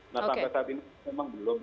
nah sampai saat ini memang belum